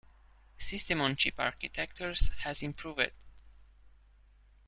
System on chip architectures has improved.